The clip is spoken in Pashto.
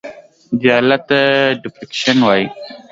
دې حالت ته Depreciation وایي.